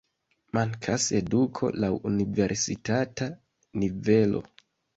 Mankas eduko laŭ universitata nivelo.